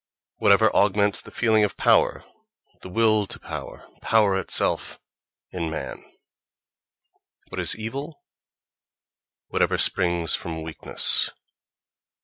—Whatever augments the feeling of power, the will to power, power itself, in man. What is evil?—Whatever springs from weakness.